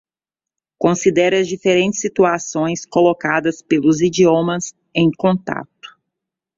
Considere as diferentes situações colocadas pelos idiomas em contato.